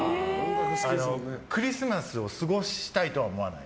クリスマスを過ごしたいとは思わない。